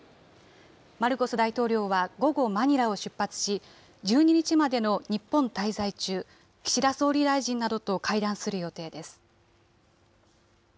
マルコス大統領は午後、マニラを出発し、１２日までの日本滞在中、岸田総理大臣などと会談する予定です。